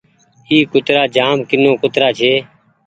اي ڪترآ جآم ڪينو ڪترآ ڇي۔